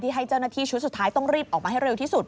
ให้เจ้าหน้าที่ชุดสุดท้ายต้องรีบออกมาให้เร็วที่สุด